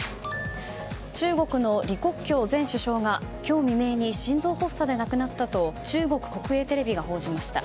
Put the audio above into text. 中国の李克強前首相が今日未明に心臓発作で亡くなったと中国国営テレビが報じました。